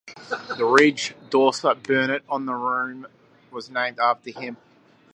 The ridge Dorsa Burnet on the Moon was named after him.